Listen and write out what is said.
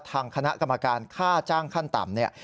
ทางคณะกรรมการค่าจ้างขั้นต่ำเนี่ย